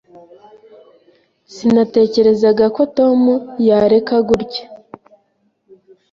Sinatekerezaga ko Tom yareka gutya.